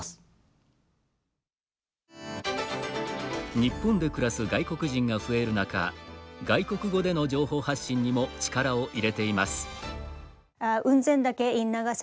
日本で暮らす外国人が増える中外国語での情報発信にも力を入れています。